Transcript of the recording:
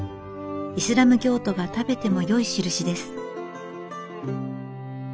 イスラム教徒が食べてもよい印です。